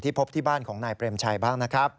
พบที่บ้านของนายเปรมชัยบ้างนะครับ